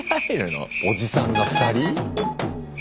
おじさんが２人？